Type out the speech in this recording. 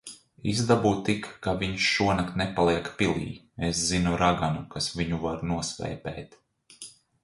Izdabū tik, ka viņš šonakt nepaliek pilī. Es zinu raganu, kas viņu var nosvēpēt.